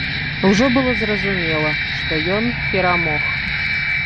Ужо было зразумела, што ён перамог.